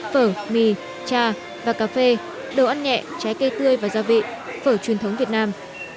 phở mì trà và cà phê đồ ăn nhẹ trái cây tươi và gia vị phở truyền thống việt nam